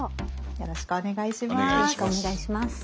よろしくお願いします。